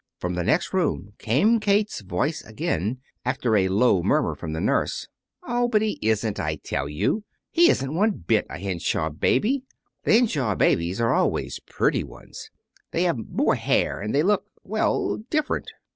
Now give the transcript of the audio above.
From the next room came Kate's voice again, after a low murmur from the nurse. "Oh, but he isn't, I tell you. He isn't one bit of a Henshaw baby! The Henshaw babies are always pretty ones. They have more hair, and they look well, different."